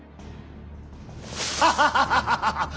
ハハハハハハッ！